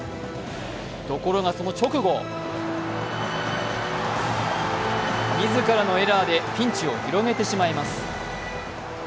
ところがその直後自らのエラーでピンチを広げてしまいます。